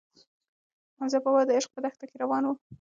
حمزه بابا د عشق په دښته کې روان و.